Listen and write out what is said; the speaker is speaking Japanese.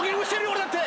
俺だって！